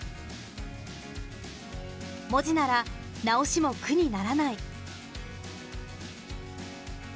文字なら直しも苦にならない。